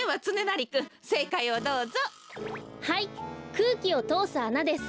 くうきをとおすあなです。